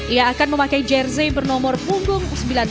ia akan memakai jersey bernomor punggung sembilan puluh